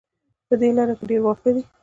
په دې لاره کې ډېر واښه دي